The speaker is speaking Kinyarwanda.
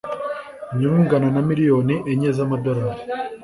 inyungu ingana na miliyoni enye z’amadolari